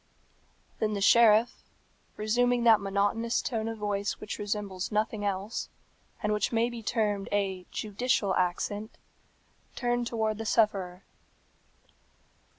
Then the sheriff, resuming that monotonous tone of voice which resembles nothing else, and which may be termed a judicial accent, turned towards the sufferer.